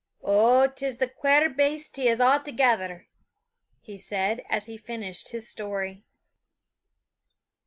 "Oh, 'tis the quare baste he is altogether!" he said as he finished his story.